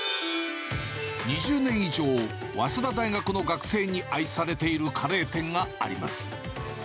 ２０年以上、早稲田大学の学生に愛されているカレー店があります。